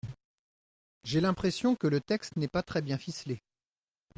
J’ai l’impression que le texte n’est pas très bien ficelé.